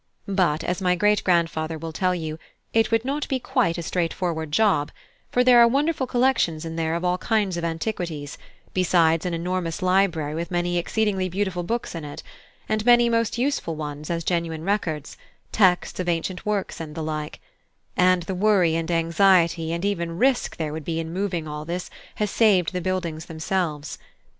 But, as my great grandfather will tell you, it would not be quite a straightforward job; for there are wonderful collections in there of all kinds of antiquities, besides an enormous library with many exceedingly beautiful books in it, and many most useful ones as genuine records, texts of ancient works and the like; and the worry and anxiety, and even risk, there would be in moving all this has saved the buildings themselves.